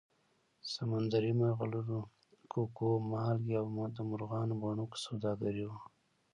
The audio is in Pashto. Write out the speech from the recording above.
سمندري مرغلرو، ککو، مالګې او د مرغانو بڼکو سوداګري وه